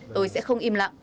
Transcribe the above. tôi sẽ không im lặng